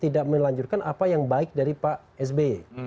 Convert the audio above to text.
tidak melanjutkan apa yang baik dari pak sby